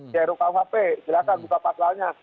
di ru kuhp silahkan buka pasalnya